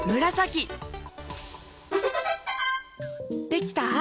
できた？